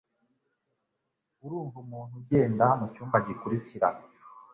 Urumva umuntu ugenda mucyumba gikurikira